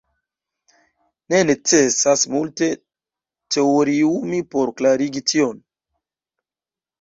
Ne necesas multe teoriumi por klarigi tion.